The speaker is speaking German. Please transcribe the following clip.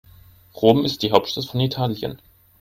Rom ist die Hauptstadt von Italien.